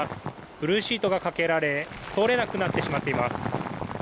ブルーシートがかけられ通れなくなってしまっています。